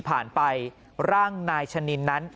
ไปร่างนายชะนินนั้น